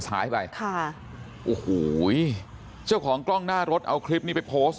ซ้ายไปค่ะโอ้โหเจ้าของกล้องหน้ารถเอาคลิปนี้ไปโพสต์